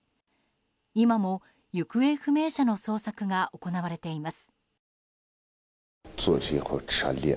今も行方不明者の捜索が行われています。